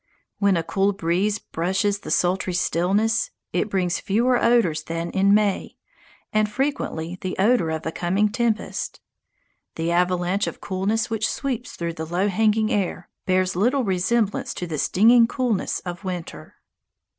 When a cool breeze brushes the sultry stillness, it brings fewer odours than in May, and frequently the odour of a coming tempest. The avalanche of coolness which sweeps through the low hanging air bears little resemblance to the stinging coolness of winter.